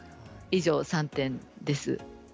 以上、３点です。